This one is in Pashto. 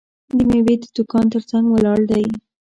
د میوې د دوکان ترڅنګ ولاړ دی.